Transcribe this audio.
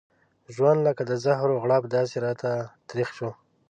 ژوند لکه د زهرو غړپ داسې راته تريخ شو.